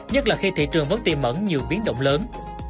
nhất là khi thị trường vẫn tìm mẫn nhiều biến động lớn